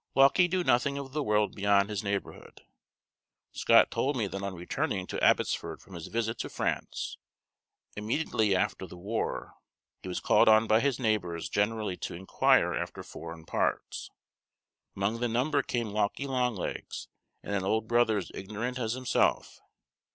Lauckie knew nothing of the world beyond his neighborhood. Scott told me that on returning to Abbotsford from his visit to France, immediately after the war, he was called on by his neighbors generally to inquire after foreign parts. Among the number came Lauckie Long Legs and an old brother as ignorant as himself.